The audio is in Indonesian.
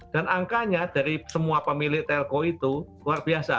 dan angkanya dari semua pemilik telkom itu luar biasa